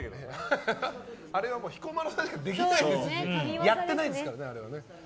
あれは彦摩呂さんにしかできないですしやってないですからね、あれは。